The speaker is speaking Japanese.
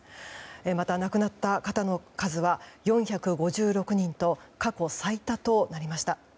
また、亡くなった方の数は４５６人と過去最多となりました。